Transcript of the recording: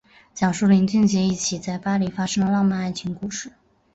讲述林俊杰一起在巴黎发生的浪漫爱情故事。